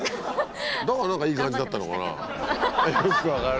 だから何かいい感じだったのかな？